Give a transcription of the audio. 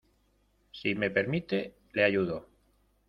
si me permite, le ayudo.